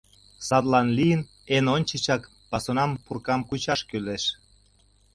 Садлан лийын, эн ончычак пасунам пуркам кучаш кӱлеш.